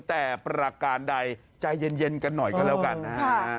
แต่ประการใดใจเย็นกันหน่อยก็แล้วกันนะฮะ